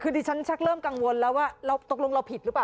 คือที่ฉันเริ่มกังวลตกลงเราผิดหรือเปล่า